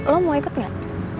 lo mau ikut gak